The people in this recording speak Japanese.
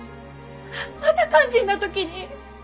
また肝心な時に。